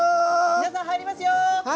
皆さん入りますよ！